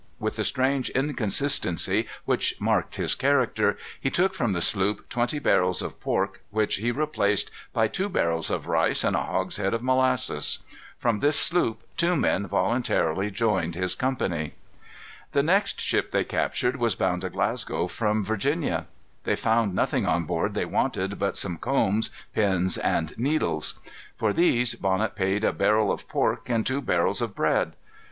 With the strange inconsistency which marked his character, he took from the sloop twenty barrels of pork, which he replaced by two barrels of rice and a hogshead of molasses. From this sloop two men voluntarily joined his company. The next ship they captured was bound to Glasgow from Virginia. They found nothing on board they wanted but some combs, pins, and needles. For these Bonnet paid a barrel of pork and two barrels of bread.